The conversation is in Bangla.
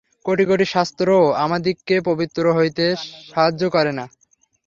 কোটি কোটি শাস্ত্রও আমাদিগকে পবিত্র হইতে সাহায্য করে না।